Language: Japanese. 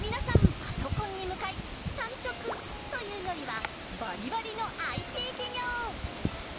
パソコンに向かい産直というよりはばりばりのＩＴ企業。